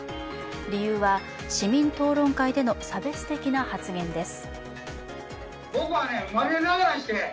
理由は、市民討論会での差別的な発言です。